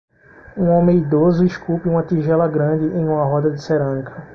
Um homem idoso esculpe uma tigela grande em uma roda de cerâmica.